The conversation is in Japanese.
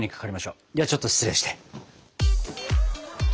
ではちょっと失礼して。